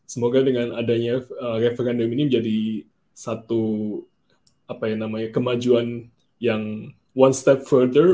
semoga dengan adanya referendum ini menjadi satu kemajuan yang one step forter